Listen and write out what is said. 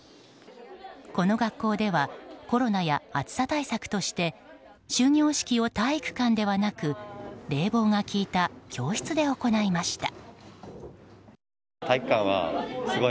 この学校ではコロナや暑さ対策として終業式を体育館ではなく冷房が利いた教室で行いました。